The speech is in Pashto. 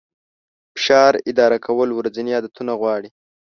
فشار اداره کول ورځني عادتونه غواړي.